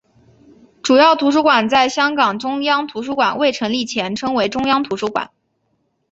主要图书馆在香港中央图书馆未成立前称为中央图书馆。